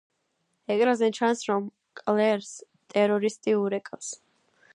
ეკრანზე ჩანს რომ კლერს ტერორისტი ურეკავს.